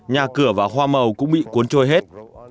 nhà cửa và hoa màu cũng bị cuốn trôi hết